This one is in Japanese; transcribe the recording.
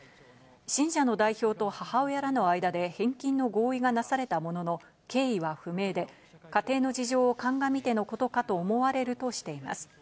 信者の代表と母親らの間で返金の合意がなされたものの、経緯は不明で、家庭の事情を鑑みてのことかと思われるとしています。